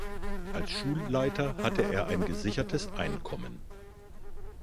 Als Schulleiter hatte er ein gesichertes Einkommen.